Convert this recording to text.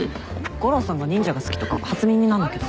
悟郎さんが忍者が好きとか初耳なんだけど。